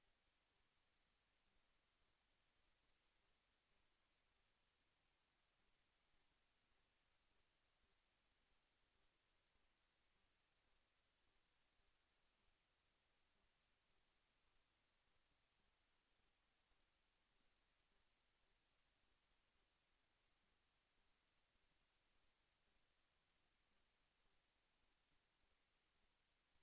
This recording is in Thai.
โปรดติดตามตอนต่อไป